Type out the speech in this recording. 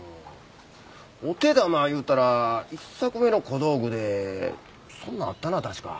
お手玉いうたら１作目の小道具でそんなんあったな確か。